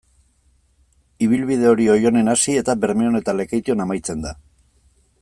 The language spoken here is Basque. Ibilbide hori Oionen hasi eta Bermeon eta Lekeition amaitzen da.